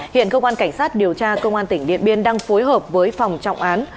hiện công an cảnh sát điều tra công an tỉnh điện biên đang phối hợp với phòng trọng án